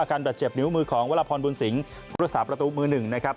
อาการดัดเจ็บนิ้วมือของวัลพรบุญสิงหรือสาประตูมือหนึ่งนะครับ